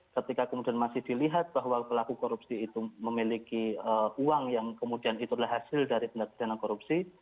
ketika kemudian masih dilihat bahwa pelaku korupsi itu memiliki uang yang kemudian itulah hasil dari pendatangan korupsi